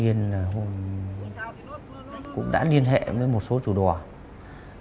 vậy nên là chúng tôi đã phối hợp với công an thành phố móng cải